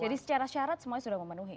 jadi secara syarat semuanya sudah memenuhi